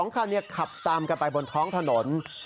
๒คันขับตามกันไปบนท้องถนน